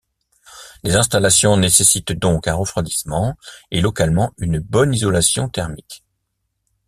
Les installations nécessitent donc un refroidissement, et localement une bonne isolation thermique.